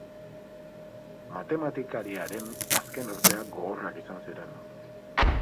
Matematikariaren azken urteak gogorrak izan ziren.